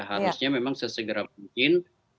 harusnya memang sesegera mungkin